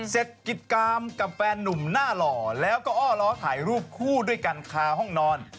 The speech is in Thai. เสร็จกิจกรรมกับแฟนนุ่มหน้าหล่อแล้วก็อ้อล้อถ่ายรูปคู่ด้วยกันคาห้องนอน